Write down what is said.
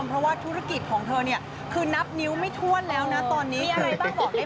เพราะว่าธุรกิจของเธอนี่คือนับนิ้วไม่ทวนแล้วนะตอนนี้